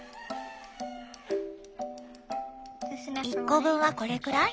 １個分はこれくらい？